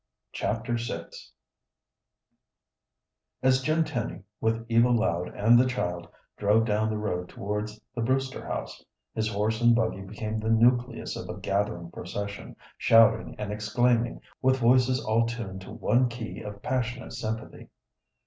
Chapter VI As Jim Tenny, with Eva Loud and the child, drove down the road towards the Brewster house, his horse and buggy became the nucleus of a gathering procession, shouting and exclaiming, with voices all tuned to one key of passionate sympathy.